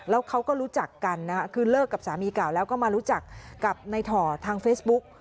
แล้วเขาก็รู้จักกันนะคะคือเลิกกับสามีเก่าแล้วก็มารู้จักกับในถ่อทางเฟซบุ๊ก